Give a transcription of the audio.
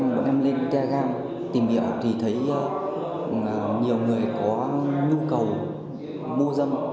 bọn em lên telegram tìm hiểu thì thấy nhiều người có nhu cầu mô dâm